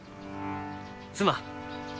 すまん。